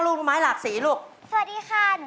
รักสี